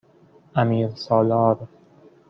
امیرسالار